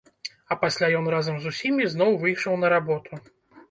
А пасля ён разам з усімі зноў выйшаў на работу.